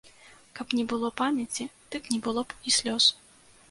Каб не было памяці, дык не было б і слёз.